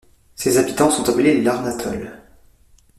Ses habitants sont appelés les Larnatols.